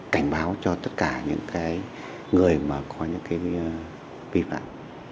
cảnh báo cho tất cả những cái người mà có những cái vi phạm